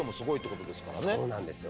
そうなんですよ。